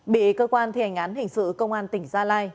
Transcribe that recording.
bị cơ quan thi hành án hình sự công an tỉnh gia lai